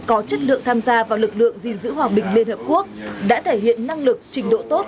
có chất lượng tham gia vào lực lượng gìn giữ hòa bình liên hợp quốc đã thể hiện năng lực trình độ tốt